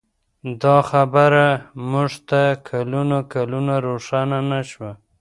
دا خبره موږ ته کلونه کلونه روښانه نه شوه.